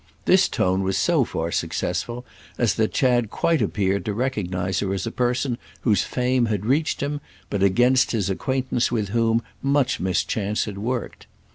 This tone was so far successful as that Chad quite appeared to recognise her as a person whose fame had reached him, but against his acquaintance with whom much mischance had worked.